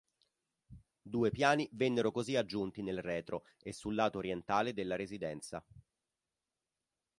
Due piani vennero così aggiunti nel retro e sul lato orientale della residenza.